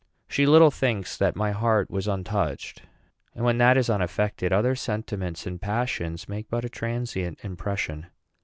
she little thinks that my heart was untouched; and when that is unaffected, other sentiments and passions make but a transient impression.